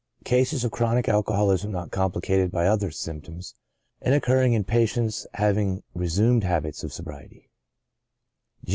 Cases of Chronic Alcoholism not complicated by other symptoms^ and occurring in patients having resumed habits of sobriety, G.